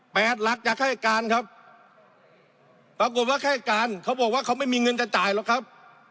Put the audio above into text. หลักอยากให้การครับปรากฏว่าแค่การเขาบอกว่าเขาไม่มีเงินจะจ่ายหรอกครับ